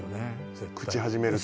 「朽ち始めると？」